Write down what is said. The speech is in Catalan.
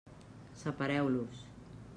Separeu-los.